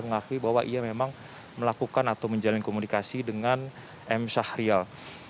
mengakui bahwa ia memang melakukan atau menjalin komunikasi dengan m sahrial